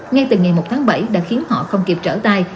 ngay từ ngày một tháng bảy đã khiến họ không kịp trở tay